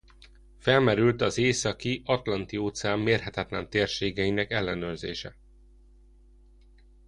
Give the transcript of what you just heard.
Felmerült az Északi-Atlanti-óceán mérhetetlen térségeinek ellenőrzése.